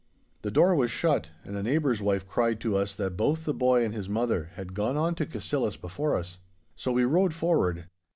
The door was shut, and a neighbour's wife cried to us that both the boy and his mother had gone on to Cassillis before us. So we rode forward.